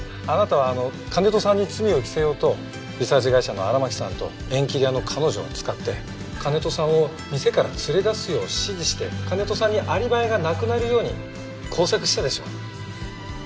あなたは金戸さんに罪を着せようとリサーチ会社の荒巻さんと縁切り屋の彼女を使って金戸さんを店から連れ出すよう指示して金戸さんにアリバイがなくなるように工作したでしょ？